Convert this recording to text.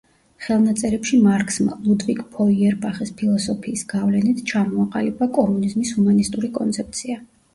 ხელნაწერებში მარქსმა, ლუდვიგ ფოიერბახის ფილოსოფიის გავლენით, ჩამოაყალიბა კომუნიზმის ჰუმანისტური კონცეფცია.